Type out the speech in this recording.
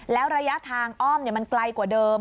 แล้วระยะทางอ้อมมันไกลกว่าเดิม